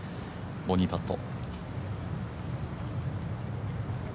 ボギーパット。